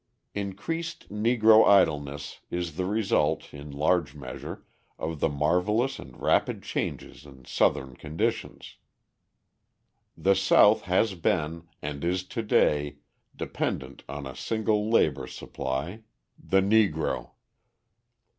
Increased Negro idleness is the result, in large measure, of the marvellous and rapid changes in Southern conditions. The South has been and is to day dependent on a single labour supply the Negro.